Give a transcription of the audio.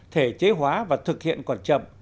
thể chế hóa và thực hiện còn chậm